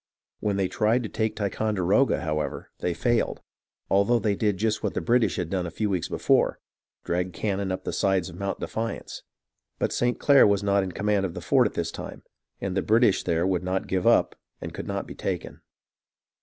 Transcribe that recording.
When they tried to take Ticonderoga, however, they failed, although they did just what the British had done a few weeks before — dragged cannon up the sides of Mount Defiance ; but St. Clair was not in command of the fort BURGOYNE'S SURRENDER 20/ at this time, and the British there would not give up and could not be taken.